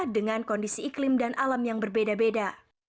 dengan kondisi iklim dan alam yang berbeda beda